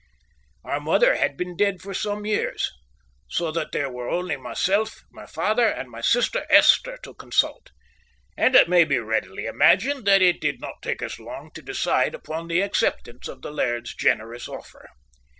Our mother had been dead for some years, so that there were only myself, my father, and my sister Esther to consult, and it may be readily imagined that it did not take us long to decide upon the acceptance of the laird's generous offer.